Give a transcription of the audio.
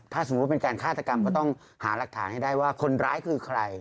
ถ้าสมมุติเป็นการฆาตกรรมก็ต้องหารักฐานให้ได้ว่าคนร้ายคือใคร